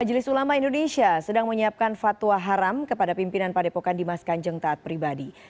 majelis ulama indonesia sedang menyiapkan fatwa haram kepada pimpinan padepokan dimas kanjeng taat pribadi